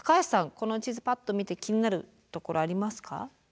この地図パッと見て気になるところありますか？